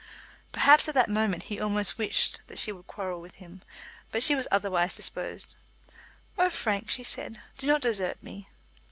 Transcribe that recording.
Perhaps at that moment he almost wished that she would quarrel with him, but she was otherwise disposed. "Oh, Frank," she said, "do not desert me."